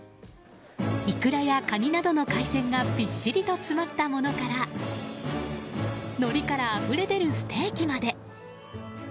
イクラやカニなどの海鮮がびっしりと詰まったものからのりからあふれ出るステーキまで。